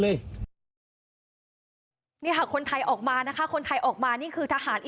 และก็จับกลุ่มฮามาสอีก๒๖คน